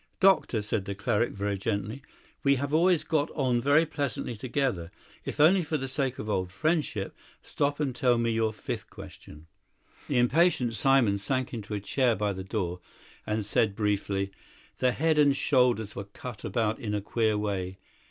"Doctor," said the cleric very gently, "we have always got on very pleasantly together. If only for the sake of old friendship, stop and tell me your fifth question." The impatient Simon sank into a chair by the door and said briefly: "The head and shoulders were cut about in a queer way.